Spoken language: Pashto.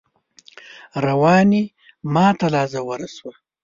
رواني ماته لا ژوره شوه